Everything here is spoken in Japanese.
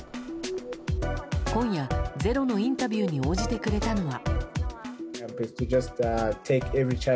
今夜「ｚｅｒｏ」のインタビューに応じてくれたのは。